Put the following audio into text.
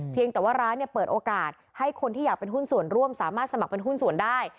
แต่ว่าร้านเปิดโอกาสให้คนที่อยากเป็นหุ้นส่วนร่วมสามารถสมัครเป็นหุ้นส่วนได้